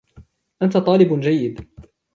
أنت طالب جيد.